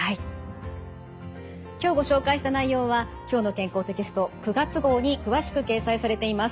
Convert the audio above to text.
今日ご紹介した内容は「きょうの健康」テキスト９月号に詳しく掲載されています。